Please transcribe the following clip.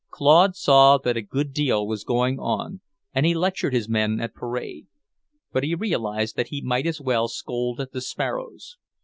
Claude saw that a good deal was going on, and he lectured his men at parade. But he realized that he might as well scold at the sparrows.